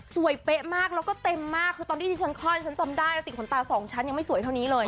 สวยเป๊ะมากและเต็มมากคือตอนที่ดิฉันคลอดเด้นจะติดขนตา๒ชั้นยังไม่สวยเท่านี้เลย